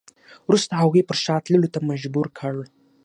وروسته هغوی پر شا تللو ته مجبور کړ.